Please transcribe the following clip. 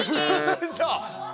うそ！